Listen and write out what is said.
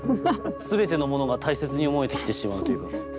全てのものが大切に思えてきてしまうというか。